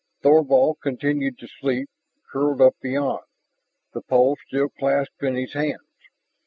Thorvald continued to sleep, curled up beyond, the pole still clasped in his hands.